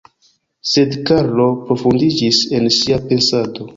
Sed Karlo profundiĝis en sia pensado.